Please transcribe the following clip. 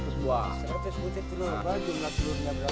seratus butir telur jumlah telurnya berapa